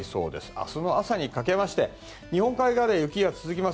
明日の朝にかけて日本海側では雨が続きます。